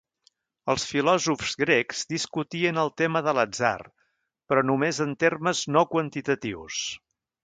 Els filòsofs grecs discutien el tema de l'atzar però només en termes no quantitatius.